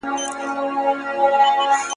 ایا غریبي به د خیر محمد همت مات کړي؟